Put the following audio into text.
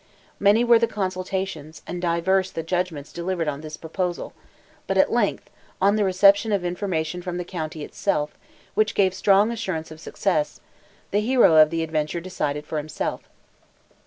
Many were the consultations, and diverse the judgments delivered on this proposal, but at length, on the reception of information from the county itself, which gave strong assurance of success, the hero of the adventure decided for himself.